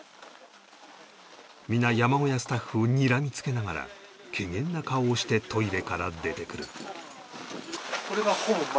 皆山小屋スタッフをにらみつけながらけげんな顔をしてトイレから出てくる